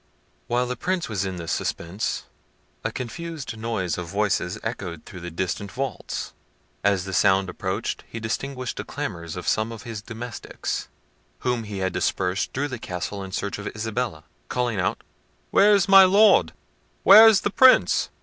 While the Prince was in this suspense, a confused noise of voices echoed through the distant vaults. As the sound approached, he distinguished the clamours of some of his domestics, whom he had dispersed through the castle in search of Isabella, calling out— "Where is my Lord? where is the Prince?"